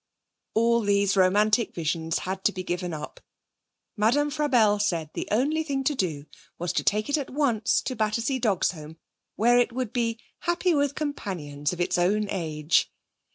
All these romantic visions had to be given up. Madame Frabelle said the only thing to do was to take it at once to the Battersea Dogs' Home, where it would be 'happy with companions of its own age'.